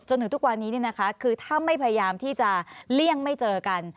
ถึงทุกวันนี้คือถ้าไม่พยายามที่จะเลี่ยงไม่เจอกัน